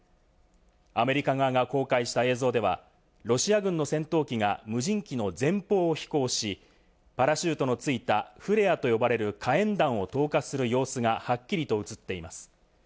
アメリカ側が公開した映像では、ロシア軍の戦闘機が無人機の前方を飛行し、パラシュートのついたフレアと呼ばれる火炎弾を投下する様子がはっきりと映っています。